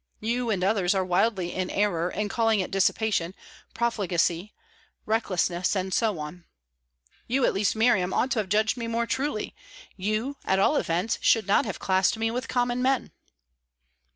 You and others are wildly in error in calling it dissipation, profligacy, recklessness, and so on. You at least, Miriam, ought to have judged me more truly; you, at all events, should not have classed me with common men."